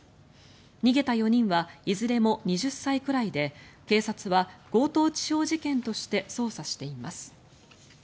逃げた４人はいずれも２０歳くらいで警察は強盗致傷事件として捜査しています。